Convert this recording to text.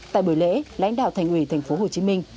tại buổi lễ lãnh đạo thành ủy tp hcm